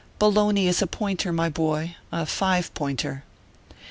Bologna is a pointer, my boy a Five Pointer.